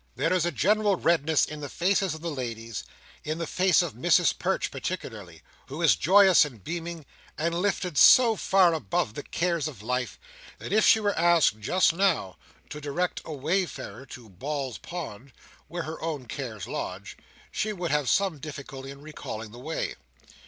There is a general redness in the faces of the ladies; in the face of Mrs Perch particularly, who is joyous and beaming, and lifted so far above the cares of life, that if she were asked just now to direct a wayfarer to Ball's Pond, where her own cares lodge, she would have some difficulty in recalling the way.